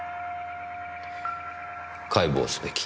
解剖すべき。